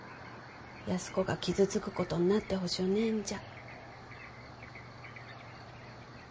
安子が傷つくことになってほしゅうねえんじゃ。